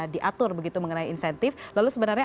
diatur begitu mengenai insentif lalu sebenarnya